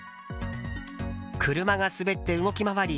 車が滑って動き回り。